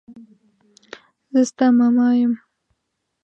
زه ستا ماما يم.